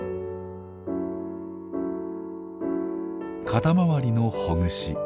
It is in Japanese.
肩周りのほぐし